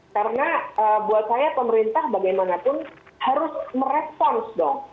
karena buat saya pemerintah bagaimanapun harus merepons dong